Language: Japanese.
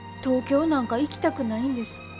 東京なんか行きたくないんです。